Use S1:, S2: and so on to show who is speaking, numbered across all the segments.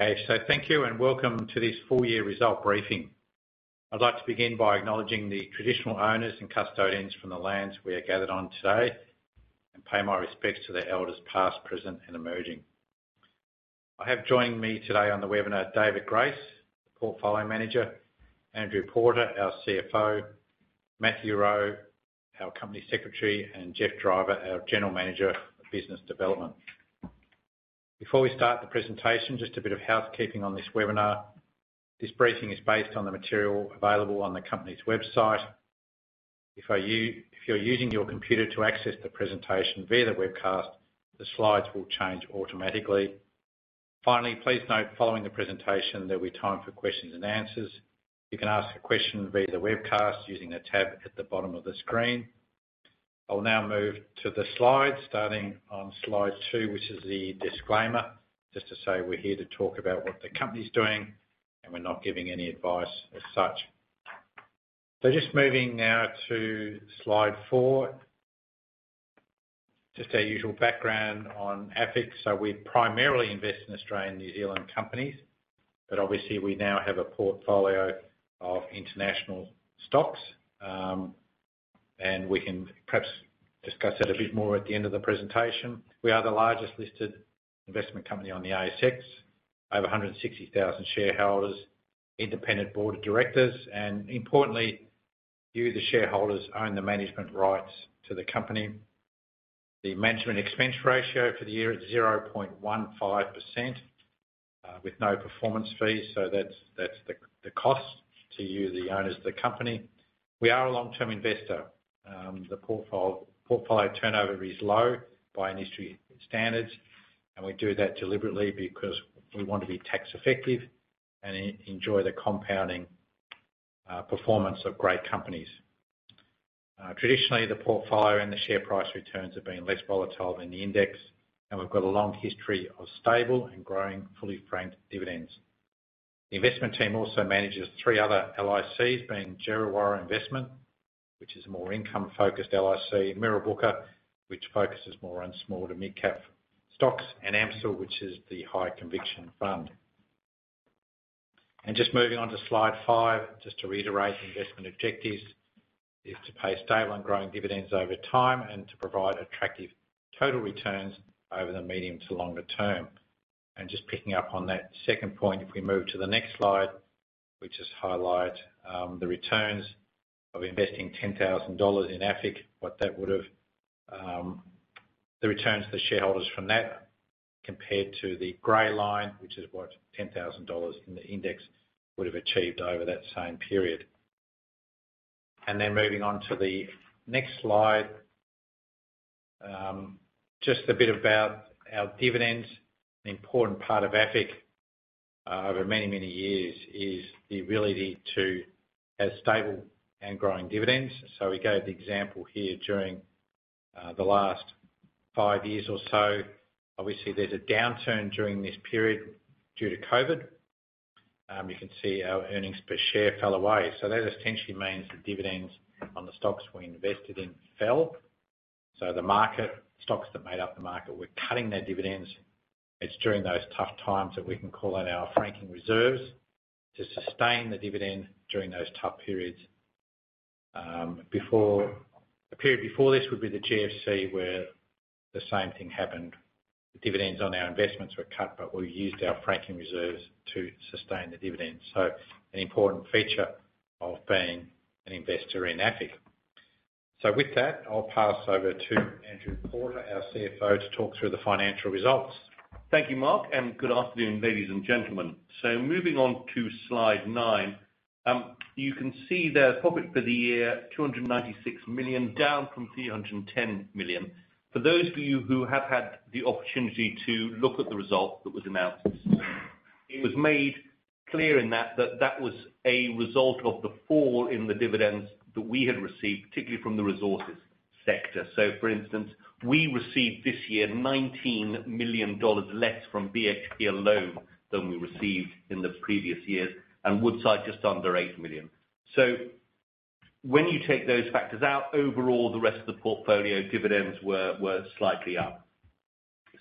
S1: Okay, so thank you, and welcome to this full year result briefing. I'd like to begin by acknowledging the traditional owners and custodians from the lands we are gathered on today, and pay my respects to the elders, past, present, and emerging. I have joining me today on the webinar, David Grace, Portfolio Manager, Andrew Porter, our CFO, Matthew Rowe, our Company Secretary, and Geoff Driver, our General Manager of Business Development. Before we start the presentation, just a bit of housekeeping on this webinar. This briefing is based on the material available on the company's website. If you're using your computer to access the presentation via the webcast, the slides will change automatically. Finally, please note, following the presentation, there'll be time for questions and answers. You can ask a question via the webcast using the tab at the bottom of the screen. I'll now move to the slides, starting on slide two, which is the disclaimer. Just to say, we're here to talk about what the company's doing, and we're not giving any advice as such. Just moving now to slide four. Just our usual background on AFIC. We primarily invest in Australian and New Zealand companies, but obviously, we now have a portfolio of international stocks. And we can perhaps discuss that a bit more at the end of the presentation. We are the largest listed investment company on the ASX, over 160,000 shareholders, independent board of directors, and importantly, you, the shareholders, own the management rights to the company. The management expense ratio for the year is 0.15%, with no performance fees, so that's the cost to you, the owners of the company. We are a long-term investor. The portfolio turnover is low by industry standards, and we do that deliberately because we want to be tax effective and enjoy the compounding performance of great companies. Traditionally, the portfolio and the share price returns have been less volatile than the index, and we've got a long history of stable and growing fully franked dividends. The investment team also manages three other LICs, being Djerriwarrh Investments, which is a more income-focused LIC. Mirrabooka, which focuses more on small to mid-cap stocks, and AMCIL, which is the high conviction fund. Just moving on to slide five, just to reiterate, investment objectives is to pay stable and growing dividends over time, and to provide attractive total returns over the medium to longer term. Just picking up on that second point, if we move to the next slide, which highlights the returns of investing 10,000 dollars in AFIC, what that would've. The returns to the shareholders from that, compared to the gray line, which is what 10,000 dollars in the index would've achieved over that same period. Then moving on to the next slide, just a bit about our dividends. An important part of AFIC over many, many years is the ability to have stable and growing dividends. So we gave the example here during the last 5 years or so. Obviously, there's a downturn during this period due to COVID. You can see our earnings per share fell away, so that essentially means the dividends on the stocks we invested in fell. So the market, stocks that made up the market, were cutting their dividends. It's during those tough times that we can call on our franking reserves to sustain the dividend during those tough periods. Before... The period before this would be the GFC, where the same thing happened. Dividends on our investments were cut, but we used our franking reserves to sustain the dividends. So an important feature of being an investor in AFIC. So with that, I'll pass over to Andrew Porter, our CFO, to talk through the financial results.
S2: Thank you, Mark, and good afternoon, ladies and gentlemen. So moving on to slide nine, you can see the profit for the year, 296 million, down from 310 million. For those of you who have had the opportunity to look at the result that was announced, it was made clear in that that was a result of the fall in the dividends that we had received, particularly from the resources sector. So for instance, we received this year, 19 million dollars less from BHP alone than we received in the previous years, and Woodside, just under 8 million. So when you take those factors out, overall, the rest of the portfolio dividends were slightly up.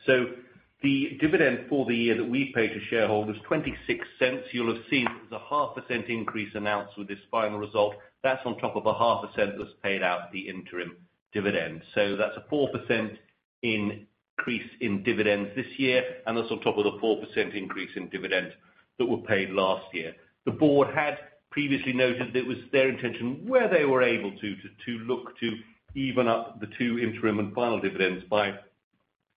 S2: So the dividend for the year that we paid to shareholders, 0.26. You'll have seen there was a 0.5% increase announced with this final result. That's on top of a 0.5% that was paid out the interim dividend. So that's a 4% increase in dividends this year, and that's on top of the 4% increase in dividends that were paid last year. The board had previously noted that it was their intention, where they were able to, to look to even up the two interim and final dividends by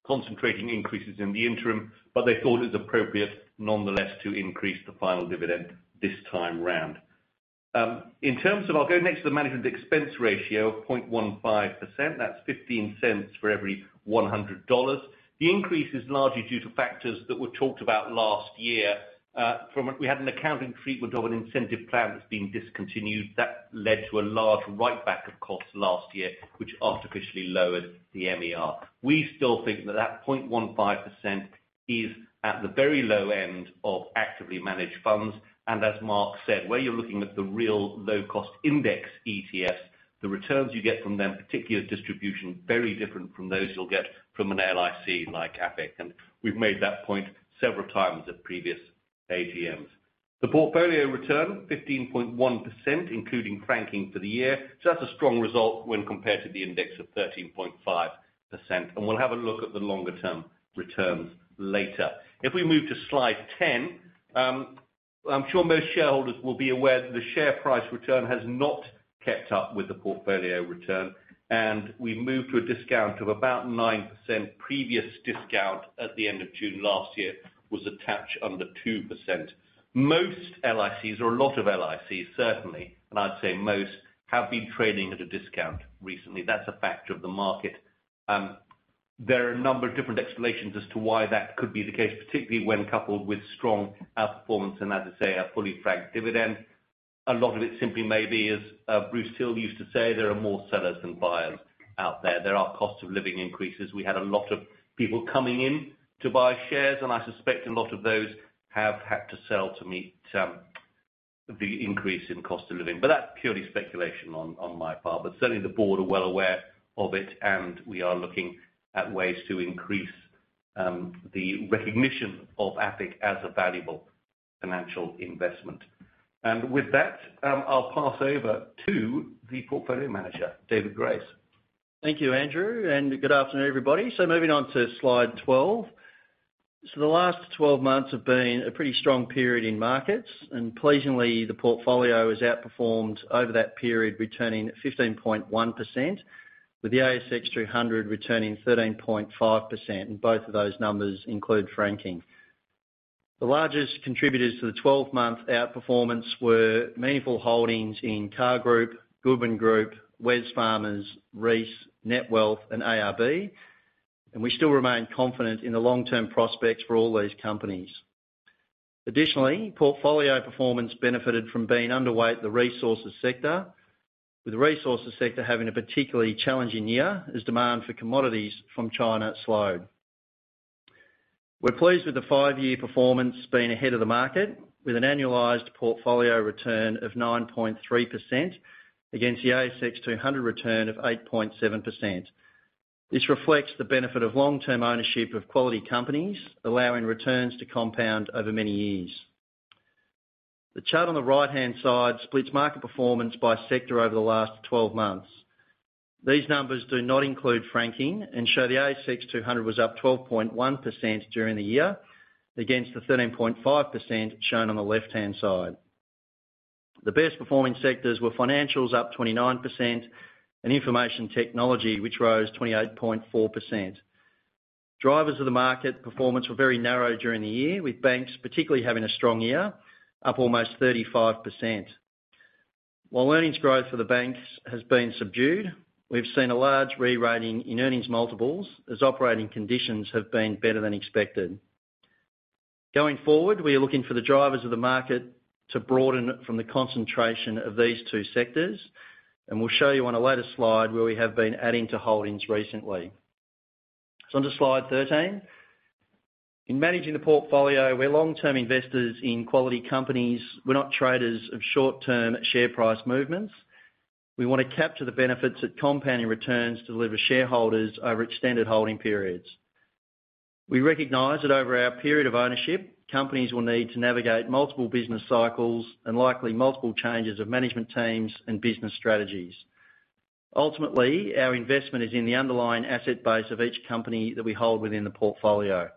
S2: concentrating increases in the interim, but they thought it was appropriate nonetheless, to increase the final dividend this time round. In terms of... I'll go next to the management expense ratio of 0.15%. That's 0.15 for every 100 dollars. The increase is largely due to factors that were talked about last year. We had an accounting treatment of an incentive plan that's been discontinued. That led to a large write-back of costs last year, which artificially lowered the MER. We still think that 0.15% is at the very low end of actively managed funds, and as Mark said, where you're looking at the real low-cost index ETFs, the returns you get from them, particularly at distribution, very different from those you'll get from an LIC like AFIC, and we've made that point several times at previous AGMs. The portfolio return, 15.1%, including franking for the year. So that's a strong result when compared to the index of 13.5%, and we'll have a look at the longer-term returns later. If we move to slide 10, I'm sure most shareholders will be aware that the share price return has not kept up with the portfolio return, and we moved to a discount of about 9%. Previous discount at the end of June last year was a touch under 2%. Most LICs, or a lot of LICs, certainly, and I'd say most, have been trading at a discount recently. That's a factor of the market. There are a number of different explanations as to why that could be the case, particularly when coupled with strong outperformance and, as I say, a fully franked dividend. A lot of it simply may be, as Bruce Teele used to say, there are more sellers than buyers out there. There are cost of living increases. We had a lot of people coming in to buy shares, and I suspect a lot of those have had to sell to meet the increase in cost of living. But that's purely speculation on my part. But certainly the board are well aware of it, and we are looking at ways to increase the recognition of AFIC as a valuable financial investment. And with that, I'll pass over to the portfolio manager, David Grace.
S3: Thank you, Andrew, and good afternoon, everybody. So moving on to slide 12. So the last 12 months have been a pretty strong period in markets, and pleasingly, the portfolio has outperformed over that period, returning 15.1%, with the ASX 200 returning 13.5%, and both of those numbers include franking. The largest contributors to the 12-month outperformance were meaningful holdings in Carsales Group, Goodman Group, Wesfarmers, Reece, Netwealth, and ARB, and we still remain confident in the long-term prospects for all these companies. Additionally, portfolio performance benefited from being underweight the resources sector, with the resources sector having a particularly challenging year as demand for commodities from China slowed. We're pleased with the five-year performance being ahead of the market, with an annualized portfolio return of 9.3% against the ASX 200 return of 8.7%. This reflects the benefit of long-term ownership of quality companies, allowing returns to compound over many years. The chart on the right-hand side splits market performance by sector over the last 12 months. These numbers do not include franking and show the ASX 200 was up 12.1% during the year, against the 13.5% shown on the left-hand side. The best performing sectors were financials, up 29%, and information technology, which rose 28.4%. Drivers of the market performance were very narrow during the year, with banks particularly having a strong year, up almost 35%. While earnings growth for the banks has been subdued, we've seen a large rerating in earnings multiples as operating conditions have been better than expected. Going forward, we are looking for the drivers of the market to broaden from the concentration of these two sectors, and we'll show you on a later slide where we have been adding to holdings recently. So onto slide 13. In managing the portfolio, we're long-term investors in quality companies. We're not traders of short-term share price movements. We want to capture the benefits of compounding returns to deliver shareholders over extended holding periods. We recognize that over our period of ownership, companies will need to navigate multiple business cycles and likely multiple changes of management teams and business strategies. Ultimately, our investment is in the underlying asset base of each company that we hold within the portfolio.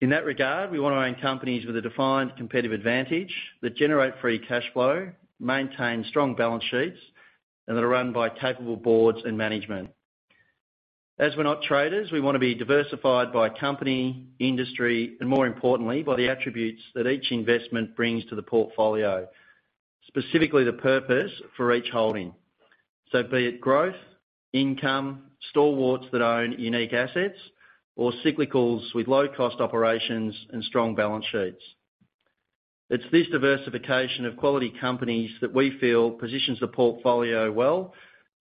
S3: In that regard, we want to own companies with a defined competitive advantage, that generate free cash flow, maintain strong balance sheets, and that are run by capable boards and management. As we're not traders, we want to be diversified by company, industry, and more importantly, by the attributes that each investment brings to the portfolio, specifically the purpose for each holding, so be it growth, income, store of value that own unique assets, or cyclicals with low cost operations and strong balance sheets. It's this diversification of quality companies that we feel positions the portfolio well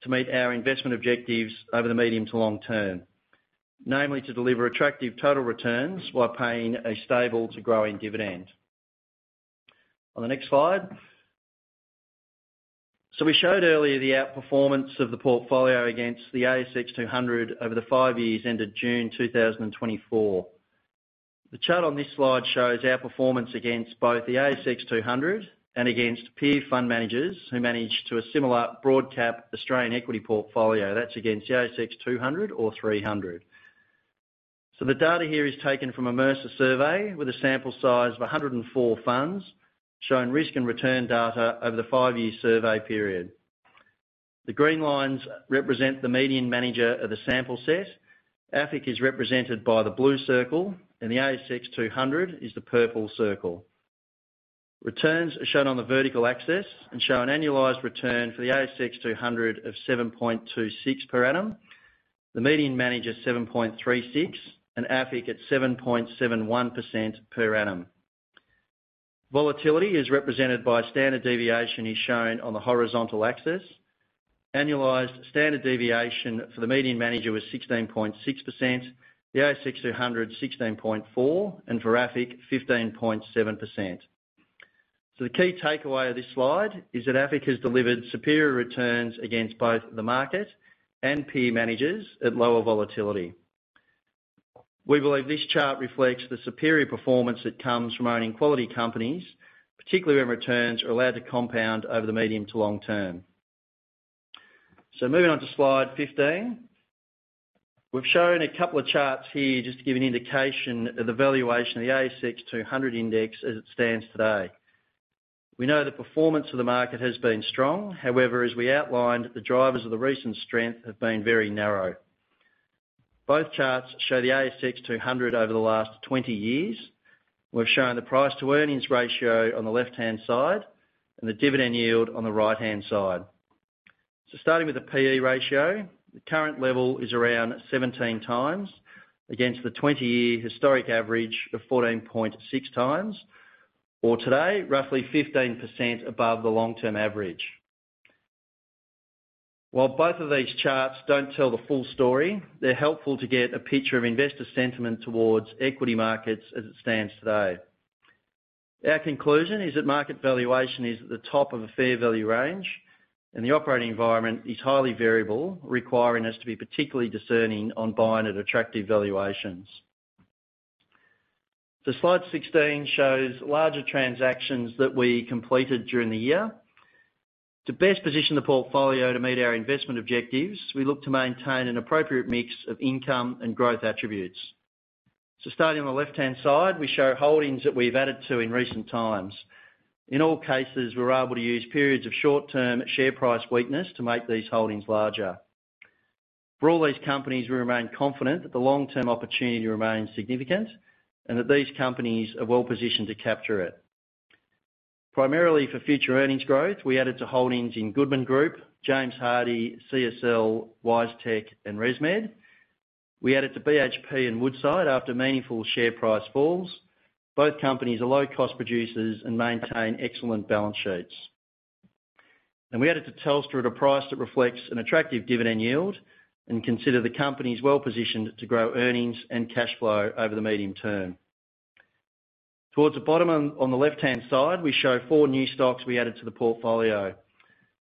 S3: to meet our investment objectives over the medium to long term. Namely, to deliver attractive total returns while paying a stable to growing dividend. On the next slide. We showed earlier the outperformance of the portfolio against the ASX 200 over the five years ended June 2024. The chart on this slide shows our performance against both the ASX 200 and against peer fund managers, who manage to a similar broad cap Australian equity portfolio. That's against the ASX 200 or ASX 300. So the data here is taken from a Mercer survey with a sample size of 104 funds, showing risk and return data over the five-year survey period. The green lines represent the median manager of the sample set, AFIC is represented by the blue circle, and the ASX 200 is the purple circle. Returns are shown on the vertical axis and show an annualized return for the ASX 200 of 7.26% per annum, the median manager, 7.36%, and AFIC at 7.71% per annum. Volatility is represented by standard deviation, is shown on the horizontal axis. Annualized standard deviation for the median manager was 16.6%, the ASX 200, 16.4%, and for AFIC, 15.7%. So the key takeaway of this slide is that AFIC has delivered superior returns against both the market and peer managers at lower volatility. We believe this chart reflects the superior performance that comes from owning quality companies, particularly when returns are allowed to compound over the medium to long term. So moving on to slide 15. We've shown a couple of charts here just to give an indication of the valuation of the ASX 200 index as it stands today. We know the performance of the market has been strong. However, as we outlined, the drivers of the recent strength have been very narrow. Both charts show the ASX 200 over the last 20 years. We've shown the price-to-earnings ratio on the left-hand side and the dividend yield on the right-hand side. So starting with the PE ratio, the current level is around 17 times against the 20-year historic average of 14.6 times, or today, roughly 15% above the long-term average. While both of these charts don't tell the full story, they're helpful to get a picture of investor sentiment towards equity markets as it stands today. Our conclusion is that market valuation is at the top of a fair value range, and the operating environment is highly variable, requiring us to be particularly discerning on buying at attractive valuations. So slide 16 shows larger transactions that we completed during the year. To best position the portfolio to meet our investment objectives, we look to maintain an appropriate mix of income and growth attributes. So starting on the left-hand side, we show holdings that we've added to in recent times. In all cases, we're able to use periods of short-term share price weakness to make these holdings larger. For all these companies, we remain confident that the long-term opportunity remains significant, and that these companies are well-positioned to capture it. Primarily for future earnings growth, we added to holdings in Goodman Group, James Hardie, CSL, WiseTech, and ResMed. We added to BHP and Woodside after meaningful share price falls. Both companies are low cost producers and maintain excellent balance sheets. We added to Telstra at a price that reflects an attractive dividend yield and consider the company is well-positioned to grow earnings and cash flow over the medium term. Towards the bottom on the left-hand side, we show four new stocks we added to the portfolio.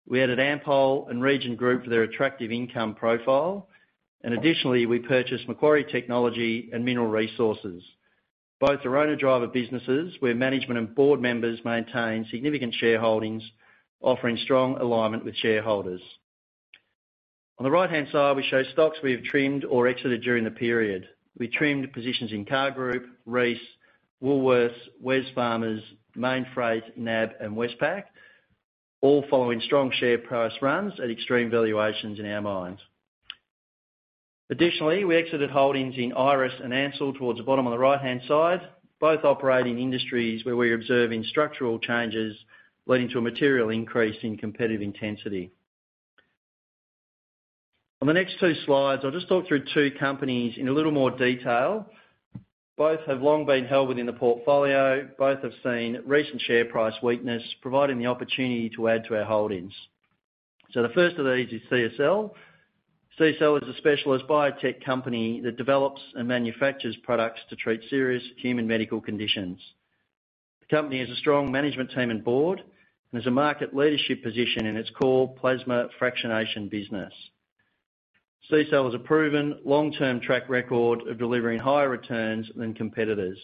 S3: We added Ampol and Region Group for their attractive income profile, and additionally, we purchased Macquarie Technology and Mineral Resources. Both are owner-driver businesses, where management and board members maintain significant shareholdings, offering strong alignment with shareholders. On the right-hand side, we show stocks we have trimmed or exited during the period. We trimmed positions in Carsales Group, Reece, Woolworths, Wesfarmers, Mainfreight, NAB, and Westpac, all following strong share price runs at extreme valuations in our minds. Additionally, we exited holdings in IRESS and Ansell towards the bottom on the right-hand side, both operating industries, where we're observing structural changes leading to a material increase in competitive intensity. On the next two slides, I'll just talk through two companies in a little more detail. Both have long been held within the portfolio. Both have seen recent share price weakness, providing the opportunity to add to our holdings. The first of these is CSL. CSL is a specialist biotech company that develops and manufactures products to treat serious human medical conditions. The company has a strong management team and board, and there's a market leadership position in its core plasma fractionation business. CSL has a proven long-term track record of delivering higher returns than competitors.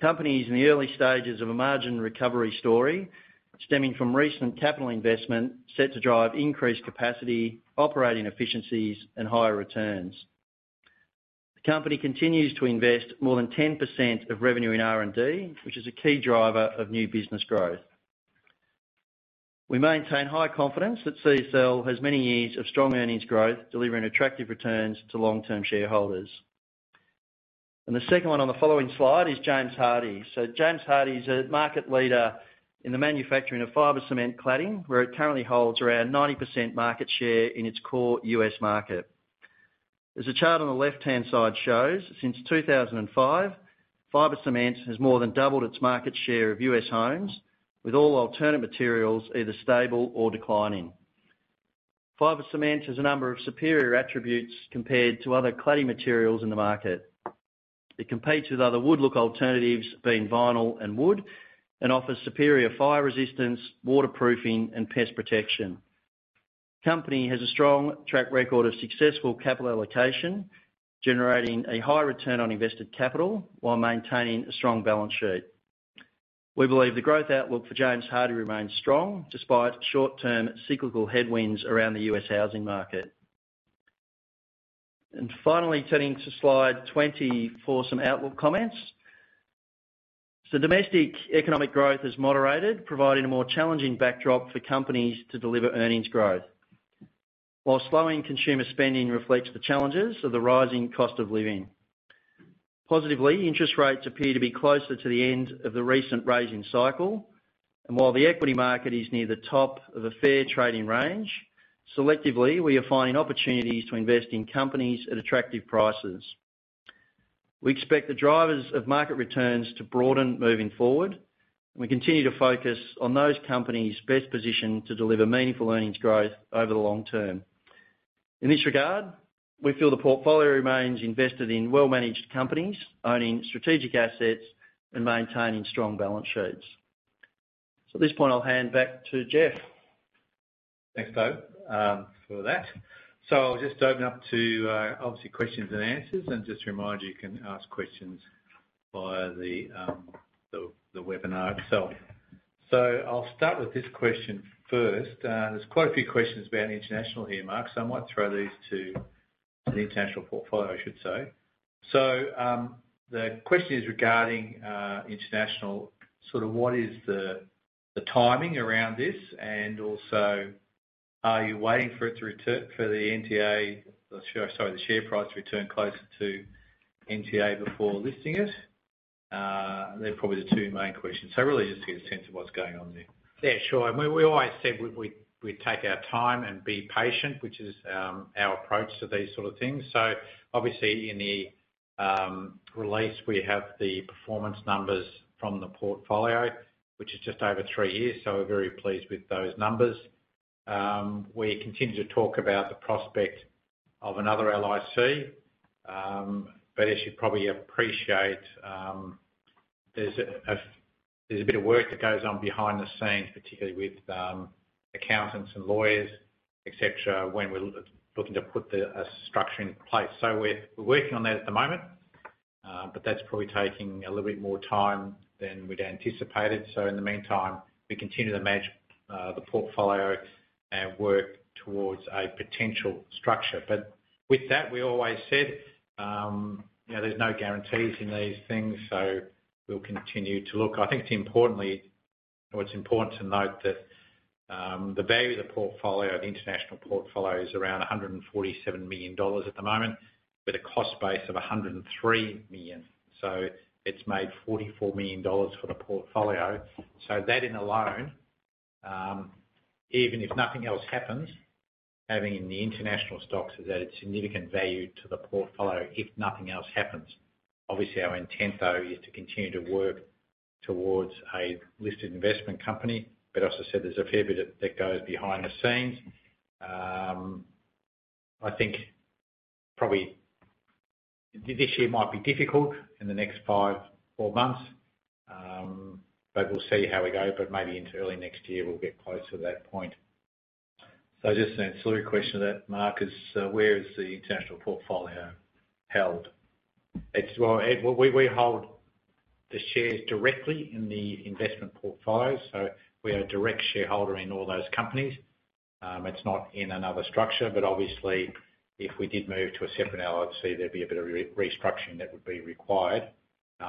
S3: Company is in the early stages of a margin recovery story stemming from recent capital investment, set to drive increased capacity, operating efficiencies, and higher returns. The company continues to invest more than 10% of revenue in R&D, which is a key driver of new business growth. We maintain high confidence that CSL has many years of strong earnings growth, delivering attractive returns to long-term shareholders. The second one on the following slide is James Hardie. So James Hardie is a market leader in the manufacturing of fibre cement cladding, where it currently holds around 90% market share in its core U.S. market. As the chart on the left-hand side shows, since 2005, fibre cement has more than doubled its market share of U.S. homes, with all alternate materials either stable or declining. Fibre cement has a number of superior attributes compared to other cladding materials in the market. It competes with other wood-look alternatives, being vinyl and wood, and offers superior fire resistance, waterproofing, and pest protection. Company has a strong track record of successful capital allocation, generating a high return on invested capital while maintaining a strong balance sheet. We believe the growth outlook for James Hardie remains strong, despite short-term cyclical headwinds around the U.S. housing market. And finally, turning to slide 20 for some outlook comments. So domestic economic growth has moderated, providing a more challenging backdrop for companies to deliver earnings growth, while slowing consumer spending reflects the challenges of the rising cost of living. Positively, interest rates appear to be closer to the end of the recent rising cycle, and while the equity market is near the top of a fair trading range, selectively, we are finding opportunities to invest in companies at attractive prices. We expect the drivers of market returns to broaden moving forward, and we continue to focus on those companies best positioned to deliver meaningful earnings growth over the long term. In this regard, we feel the portfolio remains invested in well-managed companies, owning strategic assets and maintaining strong balance sheets. So at this point, I'll hand back to Geoff.
S4: Thanks, Dave, for that. So I'll just open up to, obviously, questions and answers, and just to remind you, you can ask questions via the webinar itself. So I'll start with this question first. There's quite a few questions about international here, Mark, so I might throw these to the international portfolio, I should say. So, the question is regarding international, sort of what is the timing around this? And also, are you waiting for it to return - for the NTA, sorry, the share price to return closer to NTA before listing it? They're probably the two main questions, so really just to get a sense of what's going on there.
S1: Yeah, sure. We always said we'd take our time and be patient, which is our approach to these sort of things. So obviously, in the release, we have the performance numbers from the portfolio, which is just over three years, so we're very pleased with those numbers. We continue to talk about the prospect of another LIC. But as you probably appreciate, there's a bit of work that goes on behind the scenes, particularly with accountants and lawyers, et cetera, when we're looking to put a structure in place. So we're working on that at the moment, but that's probably taking a little bit more time than we'd anticipated. So in the meantime, we continue to manage the portfolio and work towards a potential structure. With that, we always said, you know, there's no guarantees in these things, so we'll continue to look. I think importantly, or it's important to note that, the value of the portfolio, the international portfolio, is around 147 million dollars at the moment, with a cost base of $103 million. So it's made 44 million dollars for the portfolio. So that in alone, even if nothing else happens, having the international stocks has added significant value to the portfolio, if nothing else happens. Obviously, our intent, though, is to continue to work towards a listed investment company. But as I said, there's a fair bit of that goes behind the scenes. I think probably, this year might be difficult in the next five, four months, but we'll see how we go. But maybe into early next year, we'll get closer to that point.
S4: So just an ancillary question to that, Mark, is where is the international portfolio held?
S1: Well, Ed, we hold the shares directly in the investment portfolio, so we are a direct shareholder in all those companies. It's not in another structure, but obviously, if we did move to a separate LIC, there'd be a bit of restructuring that would be required.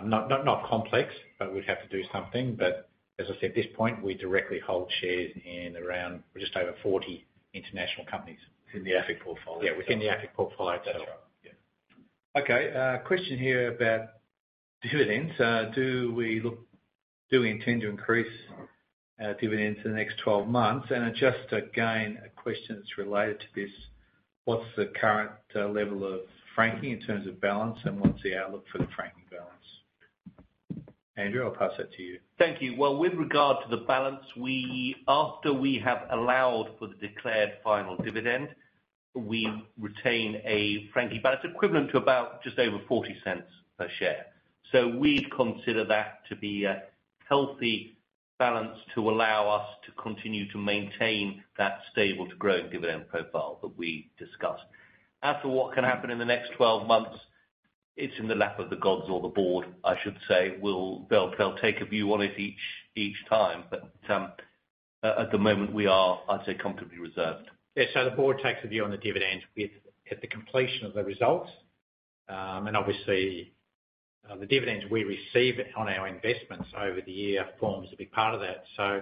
S1: Not complex, but we'd have to do something. But as I said, at this point, we directly hold shares in around just over 40 international companies.
S4: Within the AFIC portfolio?
S1: Yeah, within the AFIC portfolio itself.
S4: That's right.
S1: Yeah.
S4: Okay, question here about dividends. Do we intend to increase dividends in the next 12 months? And just, again, a question that's related to this: What's the current level of franking in terms of balance, and what's the outlook for the franking balance? Andrew, I'll pass that to you.
S2: Thank you. Well, with regard to the balance, after we have allowed for the declared final dividend, we retain a franking, but it's equivalent to about just over 0.40 per share. So we'd consider that to be a healthy balance to allow us to continue to maintain that stable to growing dividend profile that we discussed. As to what can happen in the next 12 months, it's in the lap of the gods or the board, I should say. They'll take a view on it each time, but at the moment, we are, I'd say, comfortably reserved.
S1: Yeah, so the board takes a view on the dividend with at the completion of the results. And obviously, the dividends we receive on our investments over the year forms a big part of that. So,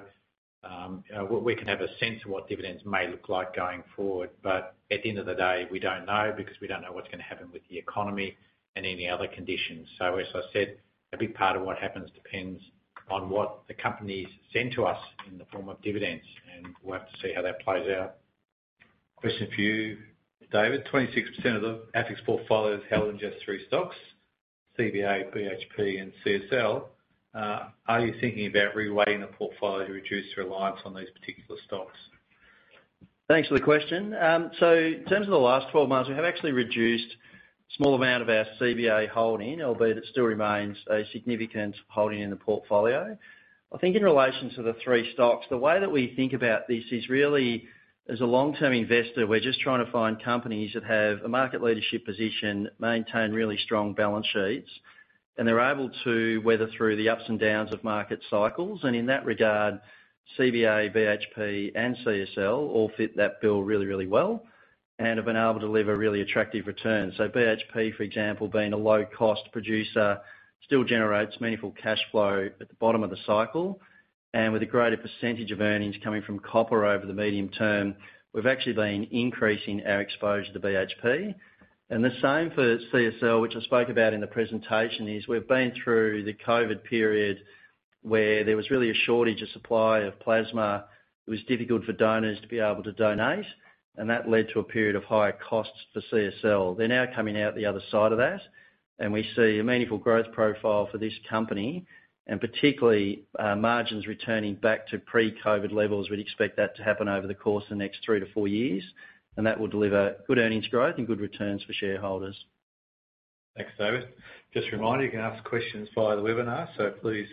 S1: we can have a sense of what dividends may look like going forward, but at the end of the day, we don't know, because we don't know what's gonna happen with the economy and any other conditions. So as I said, a big part of what happens depends on what the companies send to us in the form of dividends, and we'll have to see how that plays out.
S4: Question for you, David. 26% of the AFIC's portfolio is held in just three stocks, CBA, BHP, and CSL. Are you thinking about reweighting the portfolio to reduce reliance on these particular stocks?
S3: Thanks for the question. So in terms of the last 12 months, we have actually reduced a small amount of our CBA holding, albeit it still remains a significant holding in the portfolio. I think in relation to the three stocks, the way that we think about this is really, as a long-term investor, we're just trying to find companies that have a market leadership position, maintain really strong balance sheets, and they're able to weather through the ups and downs of market cycles. In that regard, CBA, BHP, and CSL all fit that bill really, really well and have been able to deliver really attractive returns. BHP, for example, being a low-cost producer, still generates meaningful cash flow at the bottom of the cycle, and with a greater percentage of earnings coming from copper over the medium term, we've actually been increasing our exposure to BHP. The same for CSL, which I spoke about in the presentation, is we've been through the COVID period where there was really a shortage of supply of plasma. It was difficult for donors to be able to donate, and that led to a period of higher costs for CSL. They're now coming out the other side of that, and we see a meaningful growth profile for this company, and particularly, margins returning back to pre-COVID levels. We'd expect that to happen over the course of the next three to four years, and that will deliver good earnings growth and good returns for shareholders.
S4: Thanks, David. Just a reminder, you can ask questions via the webinar, so please,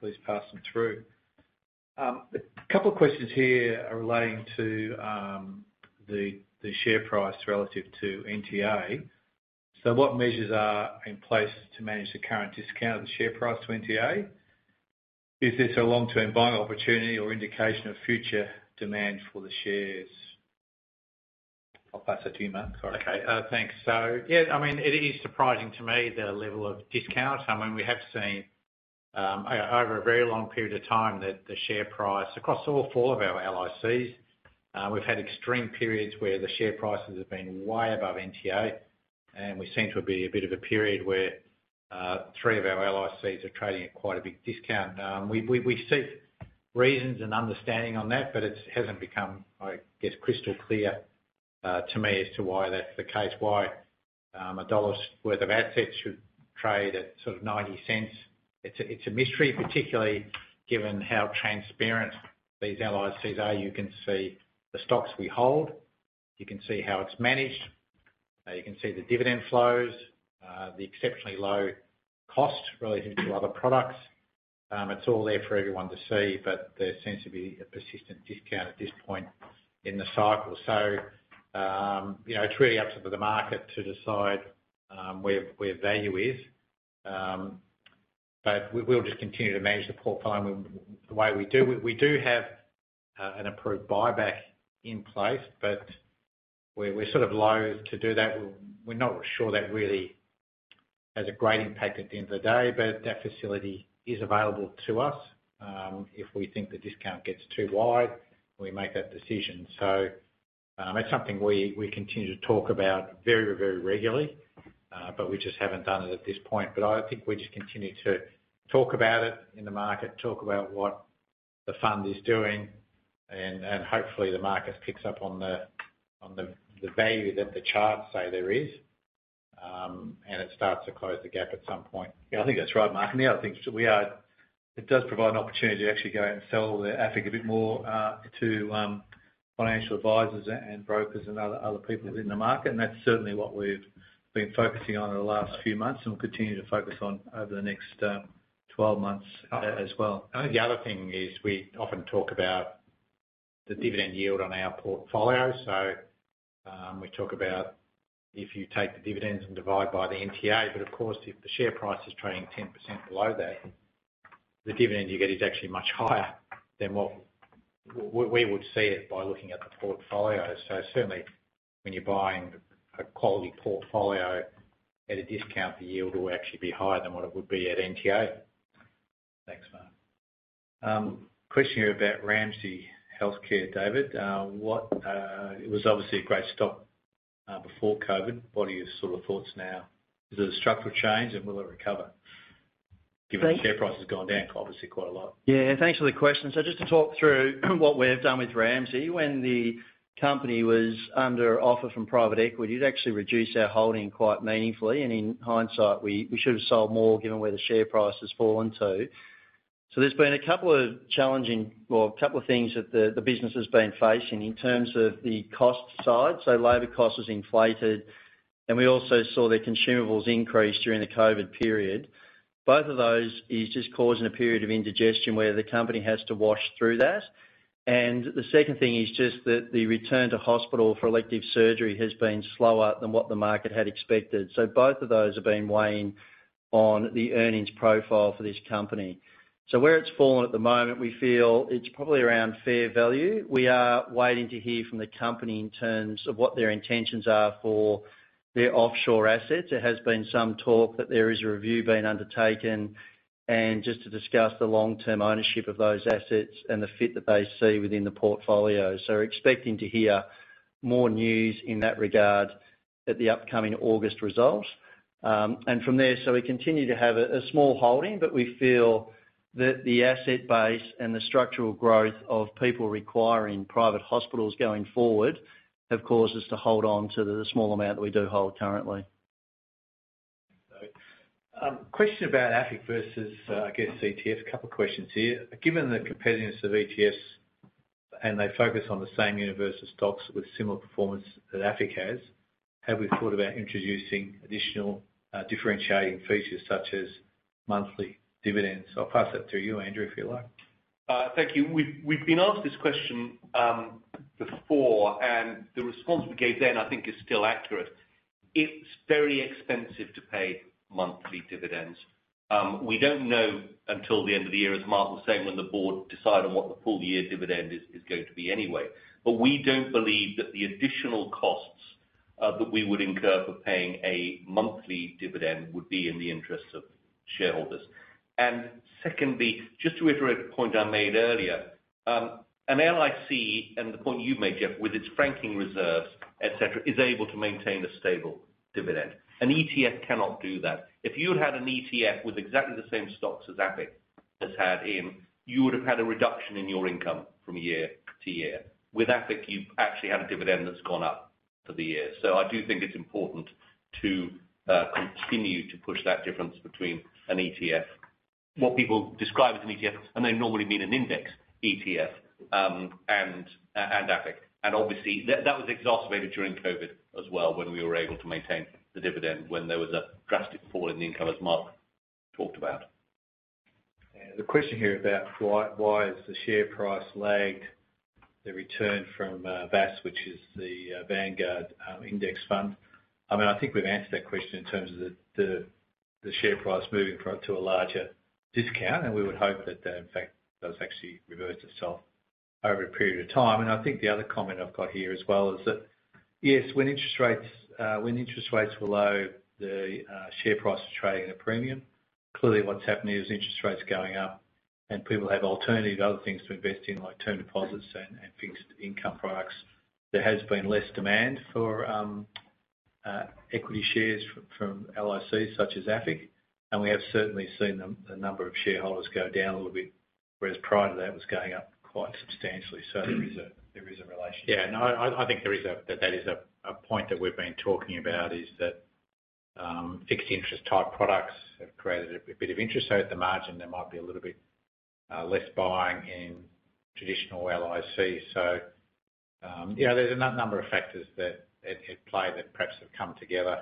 S4: please pass them through. A couple of questions here are relating to the share price relative to NTA. So what measures are in place to manage the current discount of the share price to NTA? Is this a long-term buying opportunity or indication of future demand for the shares? I'll pass it to you, Mark. Sorry.
S1: Okay, thanks. So, yeah, I mean, it is surprising to me the level of discount. I mean, we have seen over a very long period of time that the share price across all four of our LICs, we've had extreme periods where the share prices have been way above NTA, and we seem to be in a bit of a period where three of our LICs are trading at quite a big discount. We see reasons and understanding on that, but it hasn't become, I guess, crystal clear to me as to why that's the case, why a AUD 1 worth of assets should trade at sort of 0.90. It's a mystery, particularly given how transparent these LICs are. You can see the stocks we hold. You can see how it's managed. You can see the dividend flows, the exceptionally low cost relative to other products. It's all there for everyone to see, but there seems to be a persistent discount at this point in the cycle. So, you know, it's really up to the market to decide where value is. But we'll just continue to manage the portfolio the way we do. We do have an approved buyback in place, but we're sort of loathe to do that. We're not sure that really has a great impact at the end of the day, but that facility is available to us. If we think the discount gets too wide, we make that decision. So, that's something we continue to talk about very regularly, but we just haven't done it at this point. But I think we just continue to talk about it in the market, talk about what the fund is doing, and hopefully, the market picks up on the value that the charts say there is, and it starts to close the gap at some point.
S3: Yeah, I think that's right, Mark. And the other thing is, it does provide an opportunity to actually go out and sell the AFIC a bit more to financial advisors and brokers and other people in the market, and that's certainly what we've been focusing on in the last few months and will continue to focus on over the next 12 months as well.
S1: The other thing is, we often talk about the dividend yield on our portfolio. So, we talk about if you take the dividends and divide by the NTA, but of course, if the share price is trading 10% below that, the dividend you get is actually much higher than what we would see it by looking at the portfolio. So certainly, when you're buying a quality portfolio at a discount, the yield will actually be higher than what it would be at NTA.
S4: Thanks, Mark. Question here about Ramsay Health Care, David. What... It was obviously a great stock before COVID. What are your sort of thoughts now? Is it a structural change, and will it recover, given-
S3: Thank-
S4: The share price has gone down, obviously, quite a lot?
S3: Yeah, thanks for the question. So just to talk through what we've done with Ramsay, when the company was under offer from private equity, it actually reduced our holding quite meaningfully, and in hindsight, we, we should have sold more, given where the share price has fallen to. So there's been a couple of challenging or a couple of things that the, the business has been facing in terms of the cost side. So labor cost was inflated, and we also saw their consumables increase during the COVID period. Both of those is just causing a period of indigestion where the company has to wash through that. And the second thing is just that the return to hospital for elective surgery has been slower than what the market had expected. So both of those have been weighing on the earnings profile for this company. So where it's fallen at the moment, we feel it's probably around fair value. We are waiting to hear from the company in terms of what their intentions are for their offshore assets. There has been some talk that there is a review being undertaken, and just to discuss the long-term ownership of those assets and the fit that they see within the portfolio. So we're expecting to hear more news in that regard at the upcoming August results. And from there, we continue to have a small holding, but we feel that the asset base and the structural growth of people requiring private hospitals going forward have caused us to hold on to the small amount that we do hold currently.
S4: Question about AFIC versus, I guess, ETF. A couple of questions here: Given the competitiveness of ETFs, and they focus on the same universe of stocks with similar performance that AFIC has, have we thought about introducing additional, differentiating features, such as monthly dividends? I'll pass that to you, Andrew, if you like.
S2: Thank you. We've been asked this question before, and the response we gave then, I think, is still accurate. It's very expensive to pay monthly dividends. We don't know until the end of the year, as Mark was saying, when the board decide on what the full year dividend is going to be anyway. But we don't believe that the additional costs that we would incur for paying a monthly dividend would be in the interests of shareholders. And secondly, just to reiterate the point I made earlier-... an LIC, and the point you've made, Geoff, with its franking reserves, et cetera, is able to maintain a stable dividend. An ETF cannot do that. If you had an ETF with exactly the same stocks as AFIC has had in, you would have had a reduction in your income from year to year. With AFIC, you've actually had a dividend that's gone up for the year. So I do think it's important to continue to push that difference between an ETF, what people describe as an ETF, and they normally mean an index ETF, and AFIC. And obviously, that was exacerbated during COVID as well, when we were able to maintain the dividend when there was a drastic fall in the income, as Mark talked about.
S4: And the question here about why, why has the share price lagged the return from VAS, which is the Vanguard Index Fund? I mean, I think we've answered that question in terms of the share price moving to a larger discount, and we would hope that, in fact, those actually reverse itself over a period of time. I think the other comment I've got here as well is that, yes, when interest rates, when interest rates are low, the share price is trading at a premium. Clearly, what's happening is interest rates are going up, and people have alternative other things to invest in, like term deposits and fixed income products. There has been less demand for equity shares from LICs, such as AFIC, and we have certainly seen the number of shareholders go down a little bit, whereas prior to that, it was going up quite substantially. So there is a relationship.
S1: Yeah, no, I think there is a point that we've been talking about, is that fixed interest type products have created a bit of interest. So at the margin, there might be a little bit less buying in traditional LIC. So, you know, there's a number of factors at play that perhaps have come together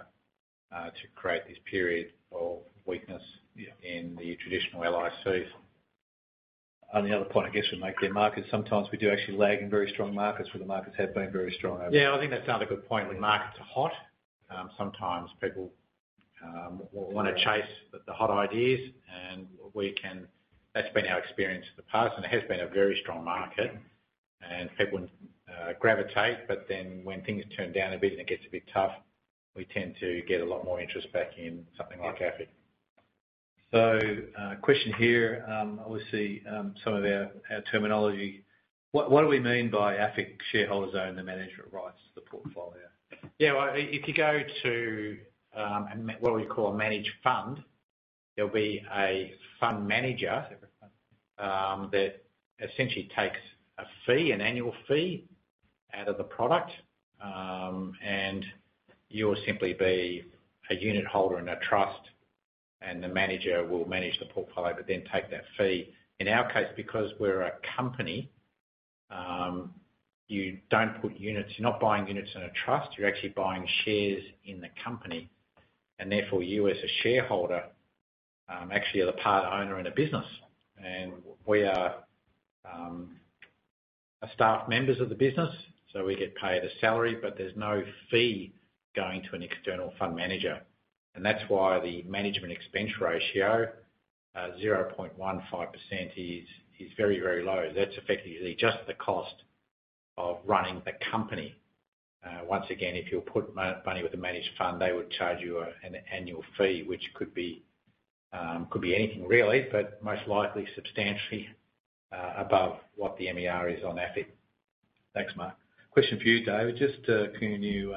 S1: to create this period of weakness-
S4: Yeah...
S1: in the traditional LIC.
S4: The other point, I guess, we make in the market, sometimes we do actually lag in very strong markets, where the markets have been very strong over-
S1: Yeah, I think that's another good point. When markets are hot, sometimes people wanna chase the hot ideas. That's been our experience in the past, and it has been a very strong market, and people gravitate, but then when things turn down a bit and it gets a bit tough, we tend to get a lot more interest back in something like AFIC.
S4: So, question here, obviously, some of our terminology. What do we mean by AFIC shareholders own the management rights to the portfolio?
S1: Yeah, well, if you go to what we call a managed fund, there'll be a fund manager that essentially takes a fee, an annual fee, out of the product. And you'll simply be a unit holder in a trust, and the manager will manage the portfolio, but then take that fee. In our case, because we're a company, you don't put units—you're not buying units in a trust, you're actually buying shares in the company, and therefore, you as a shareholder actually are the part owner in a business. And we are a staff members of the business, so we get paid a salary, but there's no fee going to an external fund manager, and that's why the management expense ratio, 0.15%, is very, very low. That's effectively just the cost of running the company. Once again, if you put money with a managed fund, they would charge you an annual fee, which could be anything really, but most likely substantially above what the MER is on AFIC.
S4: Thanks, Mark. Question for you, David. Just, can you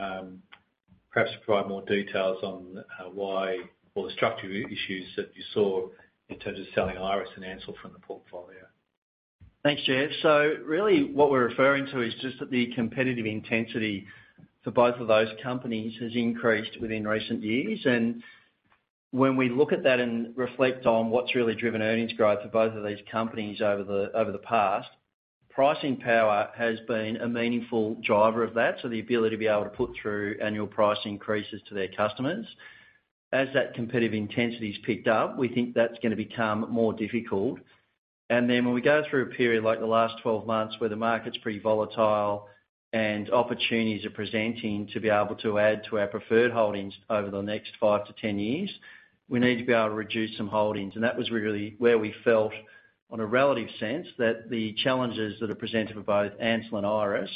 S4: perhaps provide more details on why... or the structural issues that you saw in terms of selling IRESS and Ansell from the portfolio?
S3: Thanks, Geoff. So really, what we're referring to is just that the competitive intensity for both of those companies has increased within recent years. And when we look at that and reflect on what's really driven earnings growth for both of these companies over the past, pricing power has been a meaningful driver of that, so the ability to be able to put through annual price increases to their customers. As that competitive intensity has picked up, we think that's gonna become more difficult. And then when we go through a period, like the last 12 months, where the market's pretty volatile and opportunities are presenting to be able to add to our preferred holdings over the next 5-10 years, we need to be able to reduce some holdings. And that was really where we felt, on a relative sense, that the challenges that are presented for both Ansell and IRESS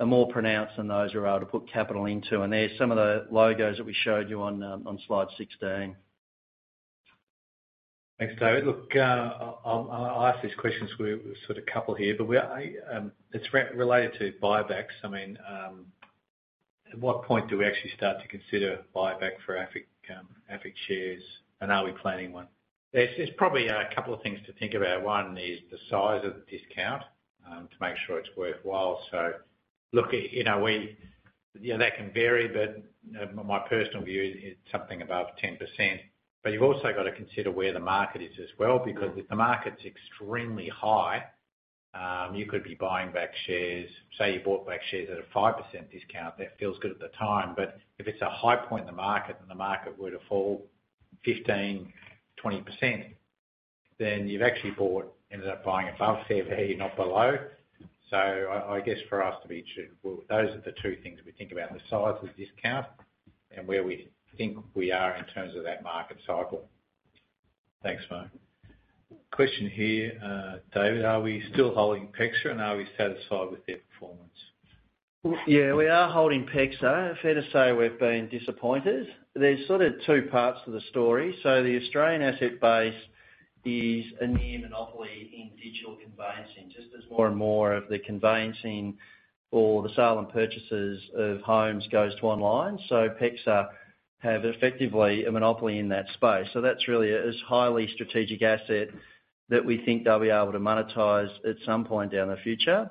S3: are more pronounced than those who are able to put capital into. And there're some of the logos that we showed you on, on slide 16.
S4: Thanks, David. Look, I'll ask these questions, we sort a couple here, but we are... It's related to buybacks. I mean, at what point do we actually start to consider buyback for AFIC, AFIC shares, and are we planning one?
S1: There's probably a couple of things to think about. One is the size of the discount to make sure it's worthwhile. So look, you know, yeah, that can vary, but my personal view is something above 10%. But you've also got to consider where the market is as well, because if the market's extremely high, you could be buying back shares. Say, you bought back shares at a 5% discount, that feels good at the time, but if it's a high point in the market, and the market were to fall 15%, 20%, then you've actually ended up buying above fair value, not below. So I guess for us to be true, well, those are the two things we think about: the size of the discount and where we think we are in terms of that market cycle.
S4: Thanks, Mark. Question here, David: Are we still holding PEXA, and are we satisfied with their performance?
S1: ...Well, yeah, we are holding PEXA. Fair to say, we've been disappointed. There's sort of two parts to the story. So the Australian asset base is a near monopoly in digital conveyancing, just as more and more of the conveyancing for the sale and purchases of homes goes to online. So PEXA have effectively a monopoly in that space. So that's really a highly strategic asset that we think they'll be able to monetize at some point down the future.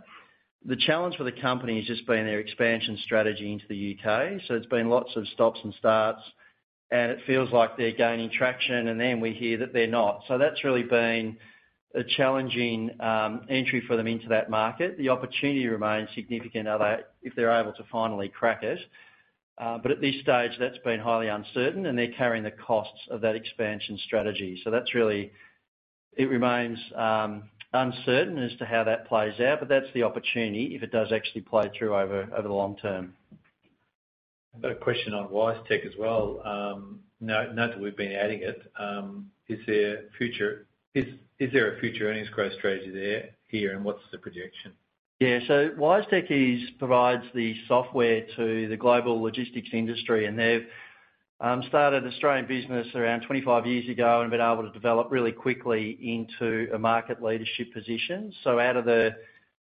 S1: The challenge for the company has just been their expansion strategy into the UK. So there's been lots of stops and starts, and it feels like they're gaining traction, and then we hear that they're not. So that's really been a challenging entry for them into that market. The opportunity remains significant, although, if they're able to finally crack it. But at this stage, that's been highly uncertain, and they're carrying the costs of that expansion strategy. So that's really it remains uncertain as to how that plays out, but that's the opportunity if it does actually play through over the long term.
S4: I've got a question on WiseTech as well. Now that we've been adding it, is there a future earnings growth strategy there, here, and what's the projection?
S3: Yeah, so WiseTech provides the software to the global logistics industry, and they've started their Australian business around 25 years ago and been able to develop really quickly into a market leadership position. So out of the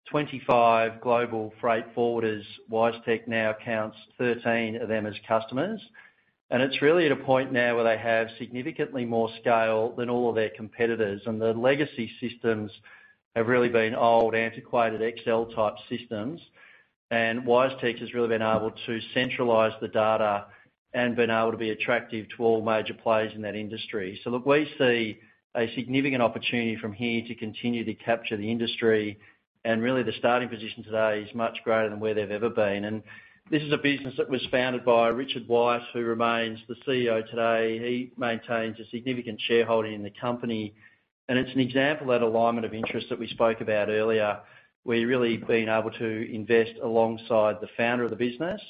S3: 25 global freight forwarders, WiseTech now counts 13 of them as customers. And it's really at a point now where they have significantly more scale than all of their competitors, and the legacy systems have really been old, antiquated Excel-type systems. And WiseTech has really been able to centralize the data and been able to be attractive to all major players in that industry. So look, we see a significant opportunity from here to continue to capture the industry, and really, the starting position today is much greater than where they've ever been. And this is a business that was founded by Richard White, who remains the CEO today. He maintains a significant shareholding in the company, and it's an example of that alignment of interest that we spoke about earlier, where you've really been able to invest alongside the founder of the business.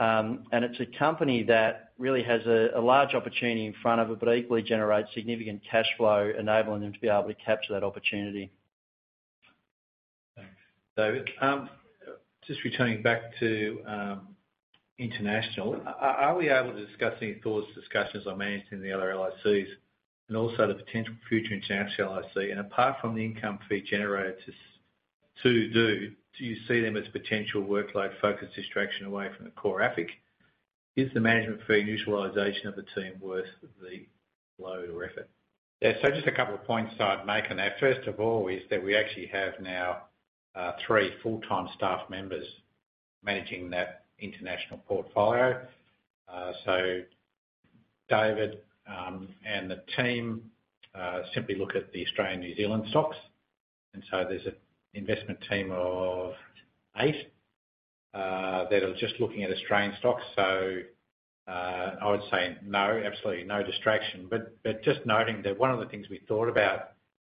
S3: And it's a company that really has a large opportunity in front of it, but equally generates significant cash flow, enabling them to be able to capture that opportunity.
S4: Thanks, David. Just returning back to international, are we able to discuss any thoughts, discussions on managing the other LICs and also the potential future international LIC? And apart from the income fee generated, do you see them as a potential workload-focused distraction away from the core AFIC? Is the management fee utilization of the team worth the load or effort?
S1: Yeah, so just a couple of points I'd make on that. First of all, is that we actually have now three full-time staff members managing that international portfolio. So David and the team simply look at the Australian, New Zealand stocks, and so there's an investment team of eight that are just looking at Australian stocks. So I would say no, absolutely no distraction, but just noting that one of the things we thought about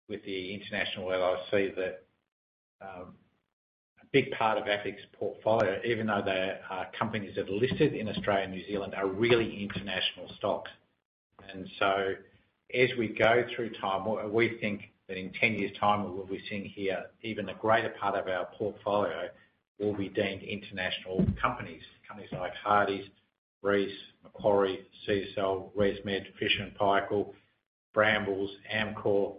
S1: with the international LIC, that a big part of AFIC's portfolio, even though they are companies that are listed in Australia and New Zealand, are really international stocks. And so as we go through time, we think that in 10 years' time, what we've seen here, even a greater part of our portfolio will be deemed international companies. Companies like Hardies, Reece, Macquarie, CSL, ResMed, Fisher & Paykel, Brambles, Amcor,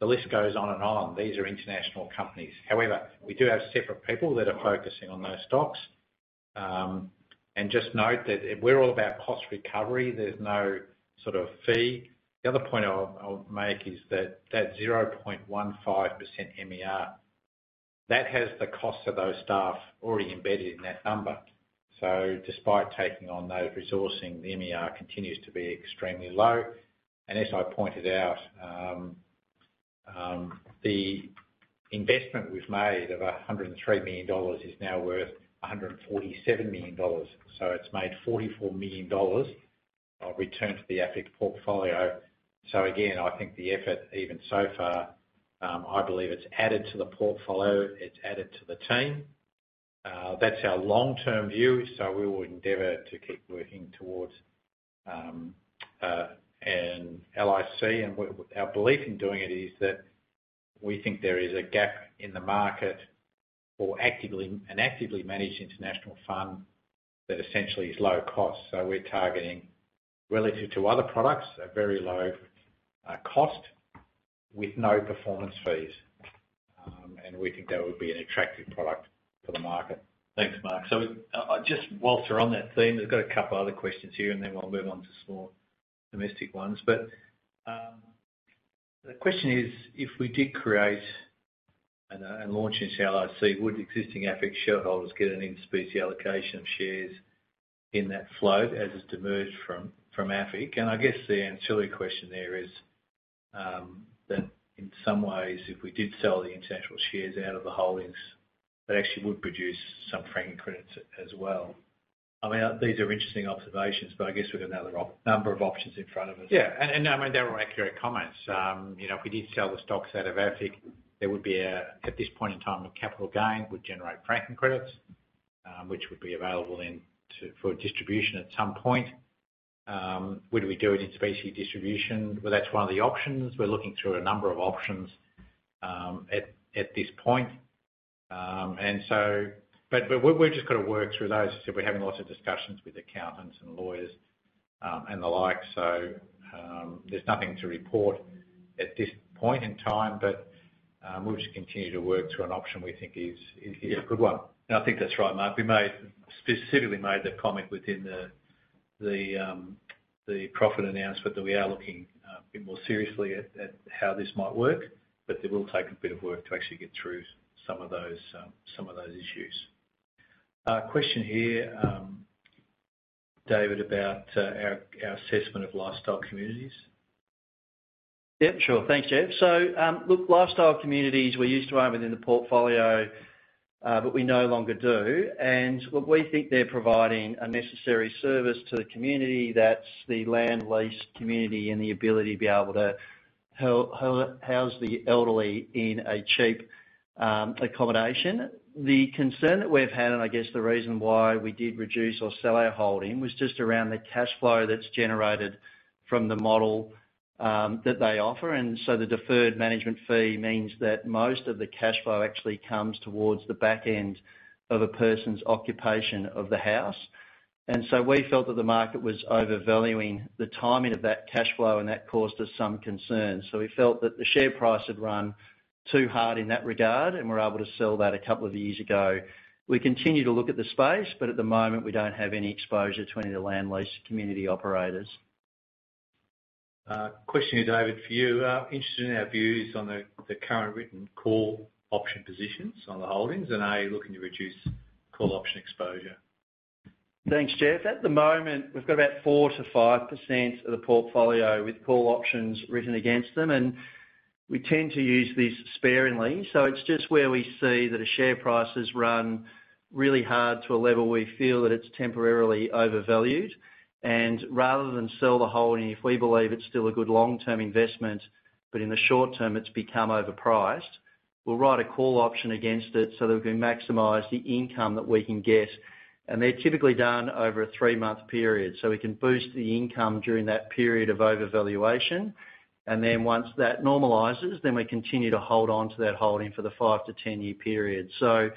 S1: the list goes on and on. These are international companies. However, we do have separate people that are focusing on those stocks. And just note that we're all about cost recovery. There's no sort of fee. The other point I'll, I'll make is that, that 0.15% MER, that has the cost of those staff already embedded in that number. So despite taking on those resourcing, the MER continues to be extremely low. And as I pointed out, the investment we've made of 103 million dollars is now worth 147 million dollars. So it's made 44 million dollars of return to the AFIC portfolio. So again, I think the effort, even so far, I believe it's added to the portfolio, it's added to the team. That's our long-term view, so we will endeavor to keep working towards an LIC. And our belief in doing it is that we think there is a gap in the market for an actively managed international fund that essentially is low cost. So we're targeting, relative to other products, a very low cost with no performance fees, and we think that would be an attractive product for the market.
S4: Thanks, Mark. So just whilst we're on that theme, I've got a couple other questions here, and then we'll move on to some more domestic ones. But the question is: If we did create and launch an LIC, would existing AFIC shareholders get an in-specie allocation of shares in that float, as is spun off from AFIC? And I guess the ancillary question there is, that in some ways, if we did sell the international shares out of the holdings, that actually would produce some franking credits as well. I mean, these are interesting observations, but I guess we've got another number of options in front of us.
S1: Yeah, and I mean, they were accurate comments. You know, if we did sell the stocks out of AFIC, there would be a, at this point in time, a capital gain, would generate franking credits, which would be available for distribution at some point. ... would we do it in specialty distribution? Well, that's one of the options. We're looking through a number of options at this point. And so, but we've just gotta work through those. So we're having lots of discussions with accountants and lawyers and the like. So, there's nothing to report at this point in time, but we'll just continue to work through an option we think is a good one.
S4: Now, I think that's right, Mark. We specifically made that comment within the profit announcement, that we are looking a bit more seriously at how this might work, but it will take a bit of work to actually get through some of those issues. Question here, David, about our assessment of Lifestyle Communities.
S3: Yep, sure. Thanks, Geoff. So, look, Lifestyle Communities we used to own within the portfolio, but we no longer do. And look, we think they're providing a necessary service to the community, that's the land lease community, and the ability to be able to house the elderly in a cheap, accommodation. The concern that we've had, and I guess the reason why we did reduce or sell our holding, was just around the cash flow that's generated from the model, that they offer. And so we felt that the market was overvaluing the timing of that cash flow, and that caused us some concern. We felt that the share price had run too hard in that regard, and were able to sell that a couple of years ago. We continue to look at the space, but at the moment, we don't have any exposure to any of the land lease community operators.
S4: Question here, David, for you. Interested in our views on the current written call option positions on the holdings, and are you looking to reduce call option exposure?
S3: Thanks, Geoff. At the moment, we've got about 4%-5% of the portfolio with call options written against them, and we tend to use these sparingly. So it's just where we see that a share price has run really hard to a level we feel that it's temporarily overvalued. And rather than sell the whole, and if we believe it's still a good long-term investment, but in the short term, it's become overpriced, we'll write a call option against it so that we can maximize the income that we can get. And they're typically done over a 3-month period, so we can boost the income during that period of overvaluation. And then once that normalizes, then we continue to hold on to that holding for the five- to-ten-year period. So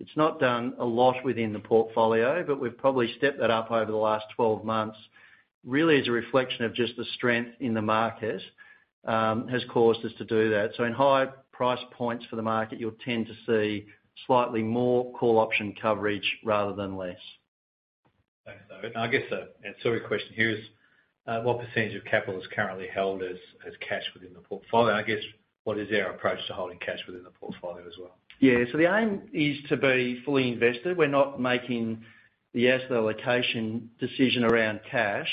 S3: it's not done a lot within the portfolio, but we've probably stepped that up over the last 12 months. Really, as a reflection of just the strength in the markets, has caused us to do that. So in higher price points for the market, you'll tend to see slightly more call option coverage rather than less.
S4: Thanks, David. I guess, and a similar question here is, what percentage of capital is currently held as, as cash within the portfolio? I guess, what is our approach to holding cash within the portfolio as well?
S3: Yeah, so the aim is to be fully invested. We're not making the asset allocation decision around cash.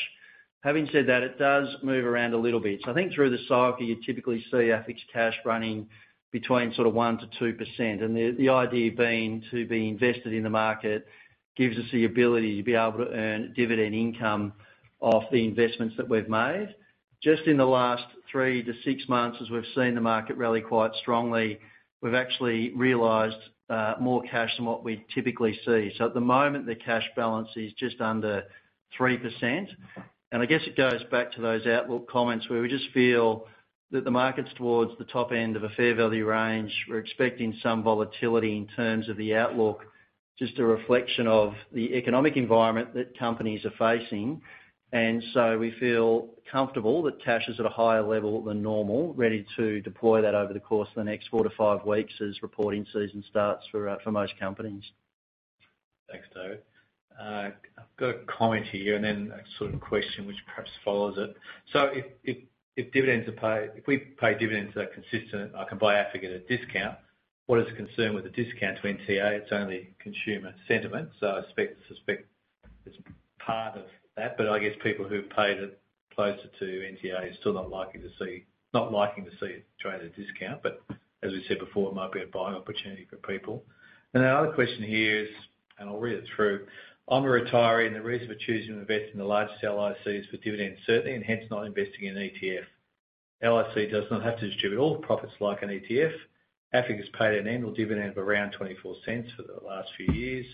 S3: Having said that, it does move around a little bit. So I think through the cycle, you typically see AFIC's cash running between sort of 1%-2%. And the idea being to be invested in the market, gives us the ability to be able to earn dividend income off the investments that we've made. Just in the last 3-6 months, as we've seen the market rally quite strongly, we've actually realized more cash than what we typically see. So at the moment, the cash balance is just under 3%. And I guess it goes back to those outlook comments, where we just feel that the market's towards the top end of a fair value range. We're expecting some volatility in terms of the outlook, just a reflection of the economic environment that companies are facing. And so we feel comfortable that cash is at a higher level than normal, ready to deploy that over the course of the next four to five weeks as reporting season starts for most companies.
S4: Thanks, David. I've got a comment here, and then a sort of question which perhaps follows it. So if dividends are paid—if we pay dividends that are consistent, I can buy AFIC at a discount. What is the concern with the discount to NTA? It's only consumer sentiment, so I suspect it's part of that, but I guess people who've paid it closer to NTA are still not likely to see it trade at a discount. But as we said before, it might be a buying opportunity for people. And then the other question here is, and I'll read it through: "I'm a retiree, and the reason for choosing to invest in the largest LIC is for dividend certainty, and hence not investing in ETF. LIC does not have to distribute all the profits like an ETF. AFIC has paid an annual dividend of around 0.24 for the last few years.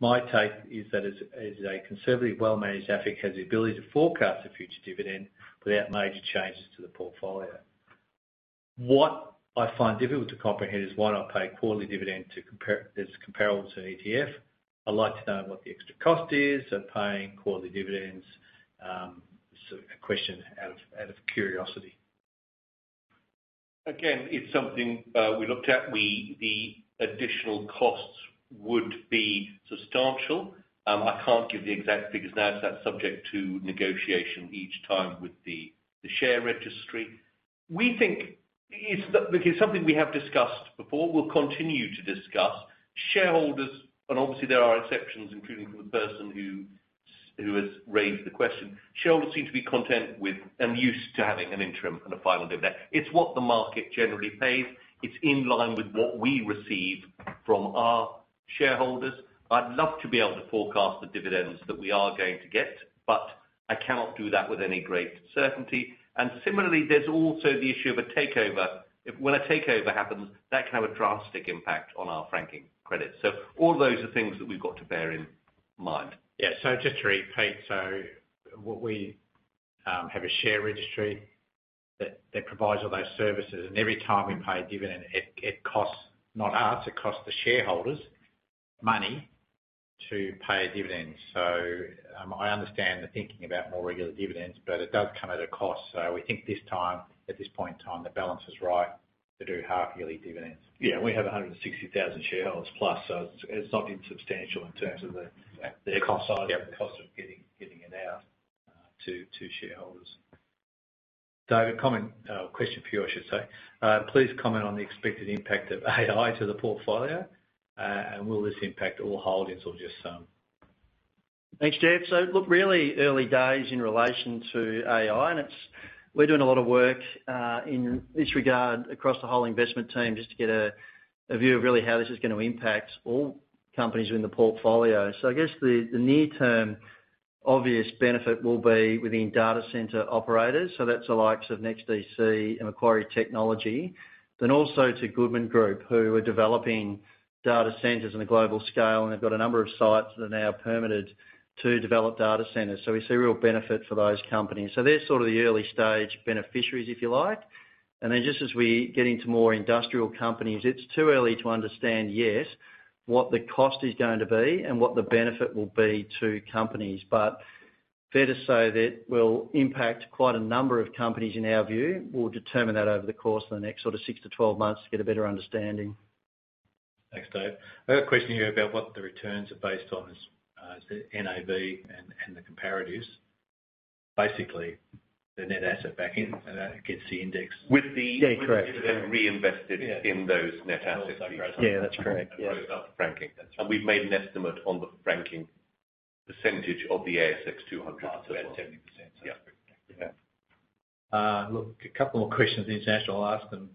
S4: My take is that as, as a conservative, well-managed, AFIC has the ability to forecast the future dividend without major changes to the portfolio. What I find difficult to comprehend is why not pay quarterly dividend to compare, that's comparable to an ETF. I'd like to know what the extra cost is of paying quarterly dividends. A question out of curiosity.
S2: Again, it's something we looked at. The additional costs would be substantial. I can't give the exact figures now, as that's subject to negotiation each time with the share registry. We think it's. Look, it's something we have discussed before, we'll continue to discuss. Shareholders, and obviously there are exceptions, including the person who has raised the question, shareholders seem to be content with and used to having an interim and a final dividend. It's what the market generally pays. It's in line with what we receive from our shareholders. I'd love to be able to forecast the dividends that we are going to get, but I cannot do that with any great certainty. And similarly, there's also the issue of a takeover. If, when a takeover happens, that can have a drastic impact on our franking credits. All those are things that we've got to bear in mind.
S3: Yeah, so just to repeat, so what we have a share registry-... that provides all those services, and every time we pay a dividend, it costs, not us, it costs the shareholders money to pay a dividend. So, I understand the thinking about more regular dividends, but it does come at a cost. So we think this time, at this point in time, the balance is right to do half-yearly dividends.
S5: Yeah, we have 160,000 shareholders plus, so it's, it's not insubstantial in terms of the-
S4: Yeah.
S5: the cost side
S4: Yep.
S5: the cost of getting it out to shareholders.
S4: Dave, a comment, question for you, I should say. Please comment on the expected impact of AI to the portfolio, and will this impact all holdings or just some?
S3: Thanks, Dave. So look, really early days in relation to AI, and it's—we're doing a lot of work in this regard across the whole investment team, just to get a view of really how this is gonna impact all companies in the portfolio. So I guess the near-term obvious benefit will be within data center operators, so that's the likes of NextDC and Macquarie Technology, then also to Goodman Group, who are developing data centers on a global scale, and they've got a number of sites that are now permitted to develop data centers. So we see a real benefit for those companies. So they're sort of the early stage beneficiaries, if you like. And then just as we get into more industrial companies, it's too early to understand, yes, what the cost is going to be and what the benefit will be to companies. Fair to say, that will impact quite a number of companies, in our view. We'll determine that over the course of the next sort of six to 12 months to get a better understanding.
S4: Thanks, Dave. I have a question here about what the returns are based on as the NAV and the comparatives.
S5: Basically, the net asset backing, and that gets the index-
S1: With the-
S4: Yeah, correct.
S1: With-...
S5: reinvested-
S4: Yeah
S5: in those net assets.
S1: Yeah, that's correct. Yeah.
S5: Those are franking.
S4: That's right.
S5: We've made an estimate on the franking percentage of the ASX 200.
S4: About 70%.
S5: Yeah.
S4: Yeah. Look, a couple more questions, international. I'll ask them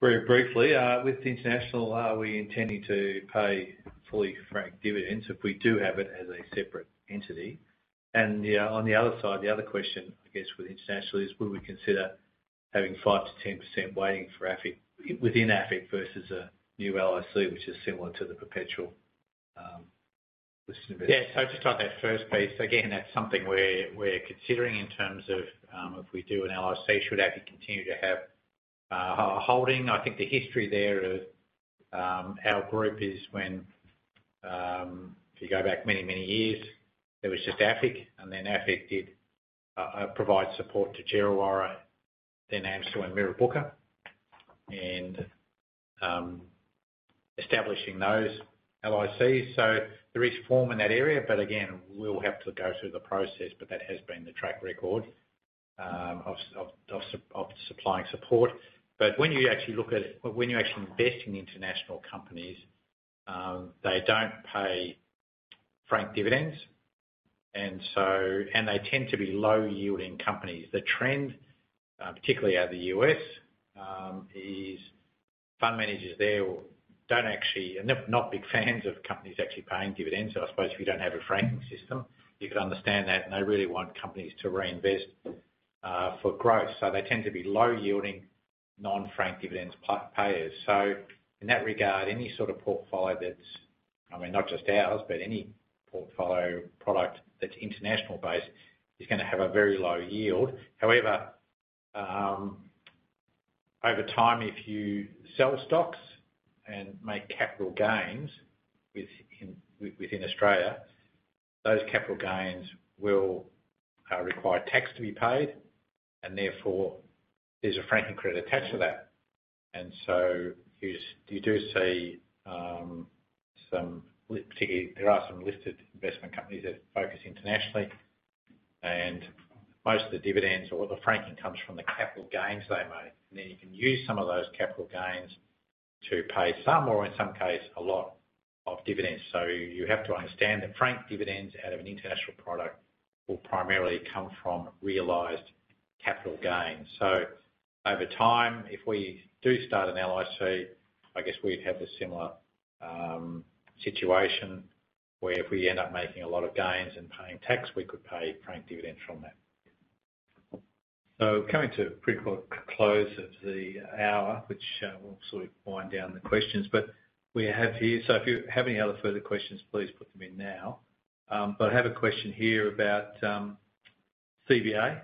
S4: very briefly. With international, are we intending to pay fully franked dividends if we do have it as a separate entity? And yeah, on the other side, the other question, I guess, with international is, would we consider having 5%-10% weighting for AFIC within AFIC versus a new LIC, which is similar to the Perpetual.
S1: Yeah, so just on that first piece, again, that's something we're considering in terms of if we do an LIC, should AFIC continue to have a holding? I think the history there of our group is when if you go back many, many years, it was just AFIC, and then AFIC did provide support to Djerriwarrh, then AMCIL and Mirrabooka, and establishing those LICs. So there is form in that area, but again, we'll have to go through the process, but that has been the track record of supplying support. But when you actually look at, when you actually invest in international companies, they don't pay franked dividends, and so—and they tend to be low-yielding companies. The trend, particularly out of the U.S., is fund managers there don't actually... They are not big fans of companies actually paying dividends. So I suppose if you don't have a franking system, you could understand that, and they really want companies to reinvest for growth. So they tend to be low-yielding, non-franked dividend payers. So in that regard, any sort of portfolio that's, I mean, not just ours, but any portfolio product that's international-based, is gonna have a very low yield. However, over time, if you sell stocks and make capital gains within Australia, those capital gains will require tax to be paid, and therefore, there's a franking credit attached to that. And so you just, you do see some particularly, there are some listed investment companies that focus internationally, and most of the dividends or the franking comes from the capital gains they made. Then you can use some of those capital gains to pay some, or in some case, a lot of dividends. So you have to understand that franked dividends out of an international product will primarily come from realized capital gains. So over time, if we do start an LIC, I guess we'd have a similar situation, where if we end up making a lot of gains and paying tax, we could pay franked dividends from that.
S4: So coming to a pretty close of the hour, which we'll sort of wind down the questions, but we have here... So if you have any other further questions, please put them in now. But I have a question here about CBA.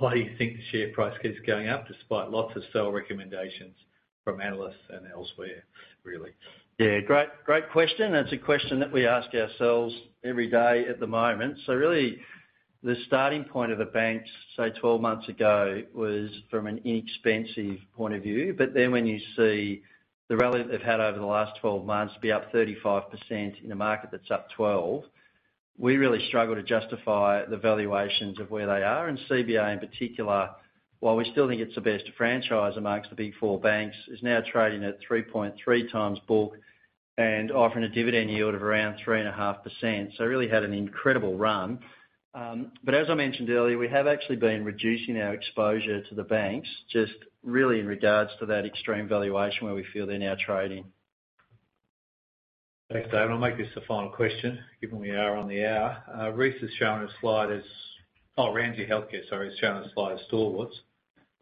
S4: Why do you think the share price keeps going up despite lots of sell recommendations from analysts and elsewhere, really?
S1: Yeah, great, great question. That's a question that we ask ourselves every day at the moment. So really, the starting point of the banks, say, 12 months ago, was from an inexpensive point of view. But then when you see the rally they've had over the last 12 months, to be up 35% in a market that's up 12%, we really struggle to justify the valuations of where they are. And CBA in particular, while we still think it's the best franchise amongst the Big Four banks, is now trading at 3.3 times book, and offering a dividend yield of around 3.5%. So really had an incredible run. But as I mentioned earlier, we have actually been reducing our exposure to the banks, just really in regards to that extreme valuation where we feel they're now trading.
S4: Thanks, Dave. I'll make this the final question, given we are on the hour. Reece is showing a slide as-- Oh, Ramsay Health Care, sorry, is showing a slide as Stalwarts.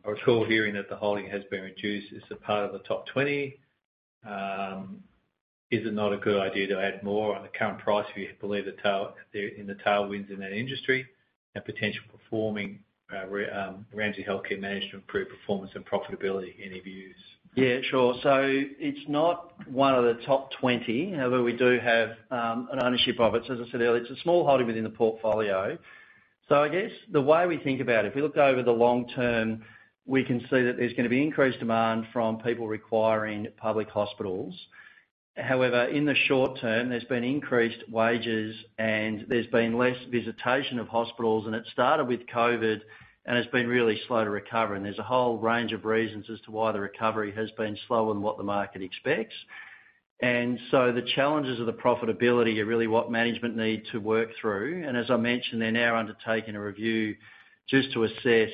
S4: I recall hearing that the holding has been reduced. It's a part of the top twenty. Is it not a good idea to add more on the current price, if you believe the tailwinds in that industry, and potential performing Ramsay Health Care management, improved performance and profitability in your views?
S3: Yeah, sure. So it's not one of the top 20, however, we do have an ownership of it. So as I said earlier, it's a small holding within the portfolio. So I guess the way we think about it, if we look over the long term, we can see that there's gonna be increased demand from people requiring public hospitals. However, in the short term, there's been increased wages and there's been less visitation of hospitals, and it started with COVID, and it's been really slow to recover. And there's a whole range of reasons as to why the recovery has been slow on what the market expects. And so the challenges of the profitability are really what management need to work through, and as I mentioned, they're now undertaking a review just to assess...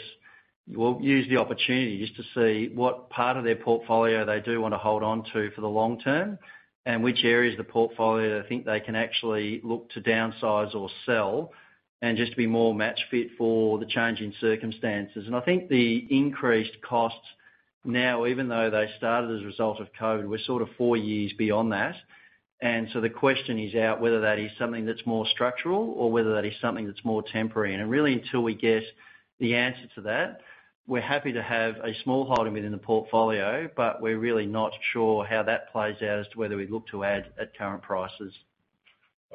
S3: We'll use the opportunities to see what part of their portfolio they do want to hold on to for the long term, and which areas of the portfolio they think they can actually look to downsize or sell, and just to be more match fit for the changing circumstances. I think the increased costs now, even though they started as a result of COVID, we're sort of four years beyond that. So the question is out whether that is something that's more structural or whether that is something that's more temporary. Really, until we get the answer to that, we're happy to have a small holding within the portfolio, but we're really not sure how that plays out as to whether we look to add at current prices.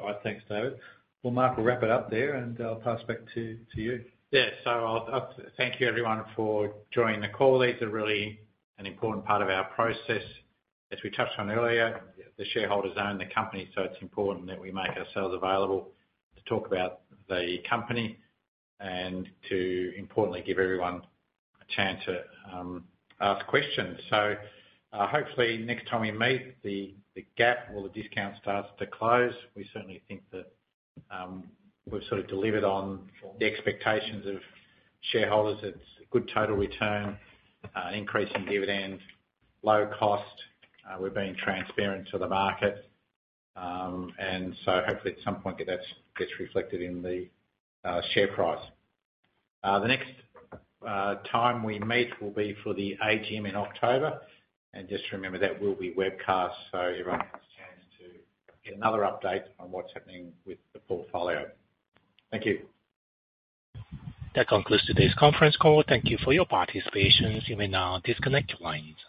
S4: All right, thanks, David. Well, Mark, we'll wrap it up there, and I'll pass it back to you.
S1: Yeah, so I'll thank you everyone for joining the call. These are really an important part of our process. As we touched on earlier, the shareholders own the company, so it's important that we make ourselves available to talk about the company, and to importantly give everyone a chance to ask questions. So, hopefully next time we meet, the gap or the discount starts to close. We certainly think that we've sort of delivered on the expectations of shareholders. It's a good total return, increasing dividends, low cost. We're being transparent to the market, and so hopefully at some point that gets reflected in the share price. The next time we meet will be for the AGM in October, and just remember, that will be webcast, so everyone has a chance to get another update on what's happening with the portfolio. Thank you.
S6: That concludes today's conference call. Thank you for your participation. You may now disconnect your lines.